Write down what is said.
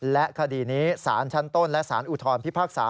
และคดีนี้สารชั้นต้นและสารอุทธรพิพากษา